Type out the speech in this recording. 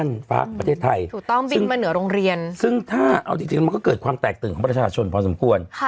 ใช่ครับถูกต้องบินเข้านั่นฟ้าประเทศไทยซึ่งถ้าเอาจริงมันก็เกิดความแตกตื่นของประชาชนพอสมควร